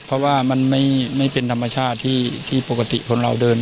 เพราะว่ามันไม่เป็นธรรมชาติที่ปกติคนเราเดิน